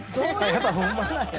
やっぱホンマなんや！